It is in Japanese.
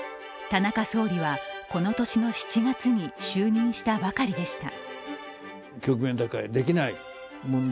田中総理は、この年の７月に就任したばかりでした。